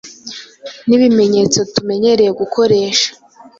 n’ibimenyetso tumenyereye gukoresha